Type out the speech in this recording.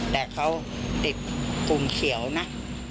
แต่เขาติดภูเขียวนะ